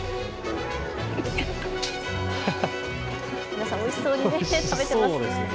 皆さんおいしそうに食べてますね。